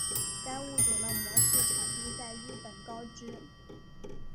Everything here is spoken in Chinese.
该物种的模式产地在日本高知。